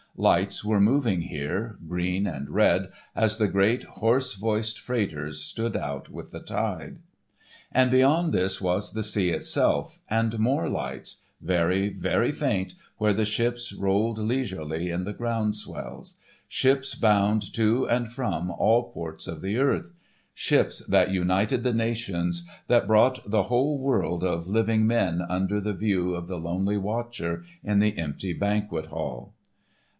Lights were moving here, green and red, as the great hoarse voiced freighters stood out with the tide. And beyond this was the sea itself, and more lights, very, very faint where the ships rolled leisurely in the ground swells; ships bound to and from all ports of the earth,—ships that united the nations, that brought the whole world of living men under the view of the lonely watcher in the empty Banquet Hall.